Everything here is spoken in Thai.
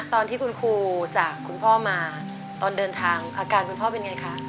ตอนที่คุณครูจากคุณพ่อมาตอนเดินทางอาการคุณพ่อเป็นไงคะ